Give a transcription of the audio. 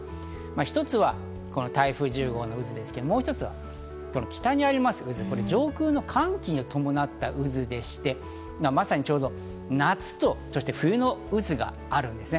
一つはこの台風の渦ですが、もう一つは北にある渦、上空の寒気に伴った渦でして、今まさにちょうど夏と冬の渦があるんですね。